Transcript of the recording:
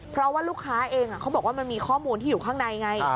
เพราะว่าลูกค้าเองเขาบอกว่ามันมีข้อมูลที่อยู่ข้างในไง